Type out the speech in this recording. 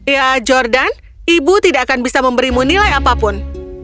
ya jordan ibu tidak akan bisa memberimu nilai apapun